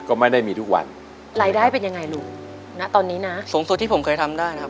ก็ไม่ได้มีทุกวันรายได้เป็นยังไงลูกณตอนนี้นะสูงสุดที่ผมเคยทำได้นะครับ